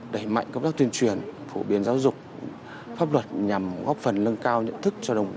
đẩy mạnh công tác tuyên truyền phổ biến giáo dục pháp luật nhằm góp phần lân cao nhận thức